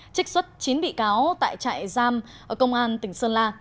trích xuất chín bị cáo tại trại giam ở công an tỉnh sơn la